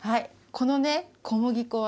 このね小麦粉はね